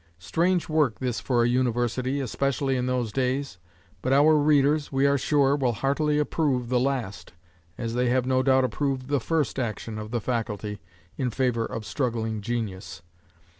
Strange work this for a university, especially in those days; but our readers, we are sure, will heartily approve the last, as they have no doubt approved the first action of the faculty in favor of struggling genius.